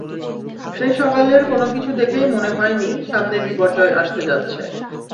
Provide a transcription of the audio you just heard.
সেই সকালের কোনো কিছু দেখেই মনে হয়নি, সামনে বিপর্যয় আসতে যাচ্ছে।